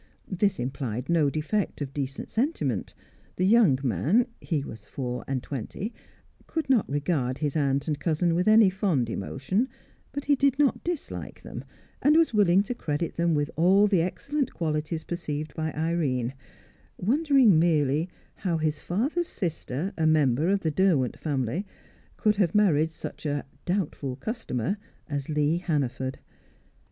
This implied no defect of decent sentiment; the young man he was four and twenty could not regard his aunt and cousin with any fond emotion, but he did not dislike them, and was willing to credit them with all the excellent qualities perceived by Irene, wondering merely how his father's sister, a member of the Derwent family, could have married such a "doubtful customer" as Lee Hannaford.